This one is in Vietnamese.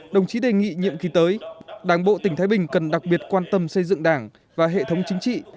đồng chí đề nghị nhiệm kỳ tới đảng bộ tỉnh thái bình cần đặc biệt quan tâm xây dựng đảng và hệ thống chính trị